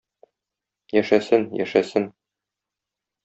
Яшәсен, яшәсен!